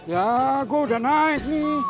ya gue udah naik